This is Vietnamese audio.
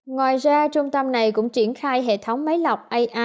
ngoài ra trung tâm này cũng triển khai hệ thống máy lọc ai